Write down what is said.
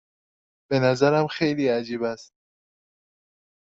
به نظرم خیلی عجیب است.